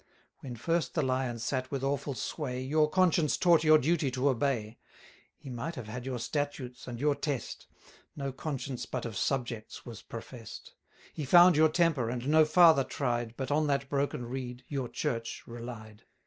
When first the Lion sat with awful sway, 790 Your conscience taught your duty to obey: He might have had your Statutes and your Test; No conscience but of subjects was profess'd. He found your temper, and no farther tried, But on that broken reed, your Church, relied.